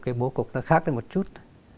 cái bố cục nó khác được một chút